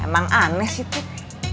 emang aneh sih tuk